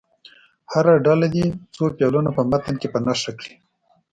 هره ډله دې څو فعلونه په متن کې په نښه کړي.